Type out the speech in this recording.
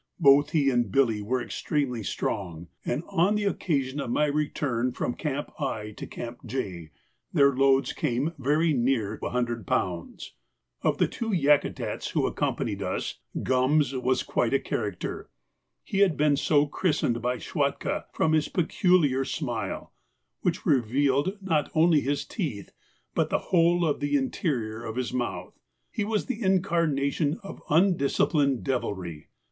Both he and Billy were extremely strong, and on the occasion of my return from Camp I to Camp J their loads came very near a hundred pounds. Of the two Yakutats who accompanied us, 'Gums' was quite a character. He had been so christened by Schwatka, from his peculiar smile, which revealed not only his teeth, but the whole of the interior of his mouth. He was the incarnation of undisciplined devilry.